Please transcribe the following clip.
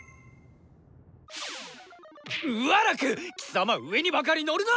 ウァラク貴様上にばかり乗るな！